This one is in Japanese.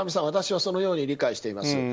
私はそのように理解しています。